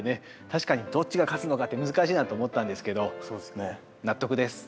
確かにどっちが勝つのかって難しいなと思ったんですけど納得です。